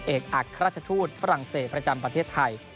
เอกอัครราชทูตฝรั่งเศสประจำประเทศไทย